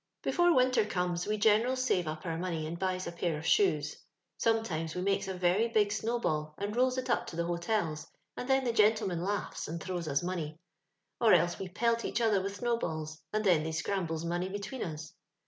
Before winter comet, we general save up our money and buys a pair of shoes. Some times we makes a very nig snowball and rolls it up to the hotels, and then the gentlemen laughs and throws us money ; or else we pelt each other with snowbaUs, and then they scrambles money between us.